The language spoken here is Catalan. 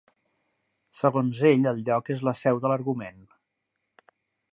Segons ell el lloc és la seu de l'argument.